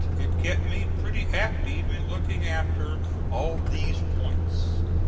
It kept me pretty active in looking after all these points.